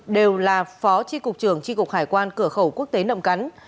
đều là phó tri cục trưởng tri cục hải quan cửa khẩu quốc tế nậm cắn